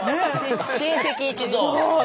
親戚一同？